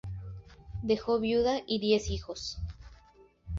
Dejó viuda y diez hijos.